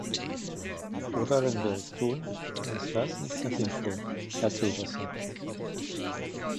Oder wenn wir es tun, dann ist das nicht sehr sinnvoll, Herr Teverson.